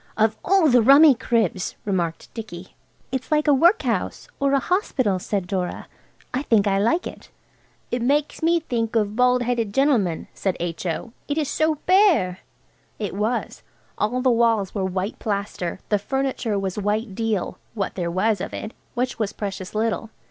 "Of all the rummy cribs!" remarked Dicky. "It's like a workhouse or a hospital," said Dora. "I think I like it." "It makes me think of bald headed gentlemen," said. H.O., "it is so bare." It was. All the walls were white plaster, the furniture was white deal–what there was of it, which was precious little.